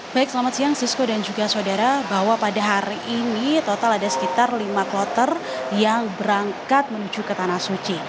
baik selamat siang sisko dan juga saudara bahwa pada hari ini total ada sekitar lima kloter yang berangkat menuju ke tanah suci